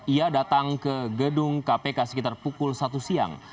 ia datang ke gedung kpk sekitar pukul satu siang